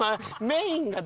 メインが。